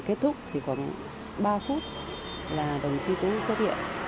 kết thúc khoảng ba phút là đồng chí tú xuất hiện